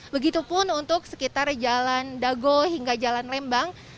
begitupun untuk sekitar jalan dago hingga jalan lembang